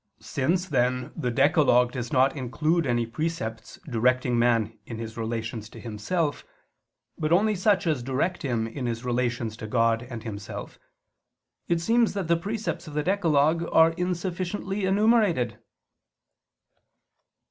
Since, then, the decalogue does not include any precepts directing man in his relations to himself, but only such as direct him in his relations to God and himself, it seems that the precepts of the decalogue are insufficiently enumerated.